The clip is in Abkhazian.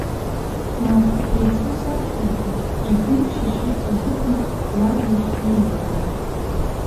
Мап, еицәоу сақәшәаргьы, игәы имшьышьырц азыҳәан, лаб иахь ирзатәым.